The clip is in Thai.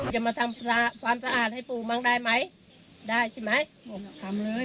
จะมาทำความสะอาดให้ปู่มั้งได้ไหมได้ใช่ไหมปู่น่ะทำเลย